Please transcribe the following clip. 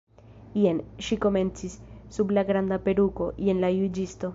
"Jen," ŝi komencis, "sub la granda peruko, jen la juĝisto."